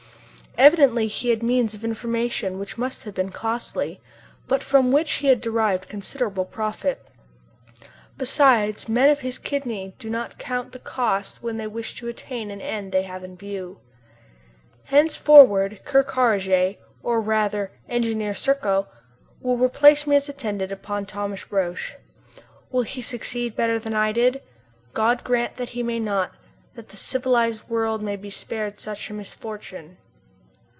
Evidently he had means of information which must have been costly, but from which he has derived considerable profit. Besides, men of his kidney do not count the cost when they wish to attain an end they have in view. Henceforward Ker Karraje, or rather Engineer Serko, will replace me as attendant upon Thomas Roch. Will he succeed better than I did? God grant that he may not, that the civilized world may be spared such a misfortune!